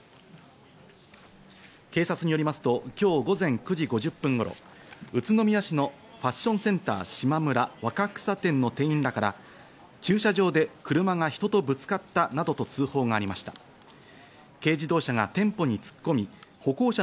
警察によりますと今日午前９時５０分頃、宇都宮市のファッションセンターしまむら若草店の店員らから駐車場で車が人とぶつかったなどと通報がありました。